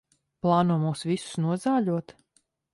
Plāno mūs visus nozāļot?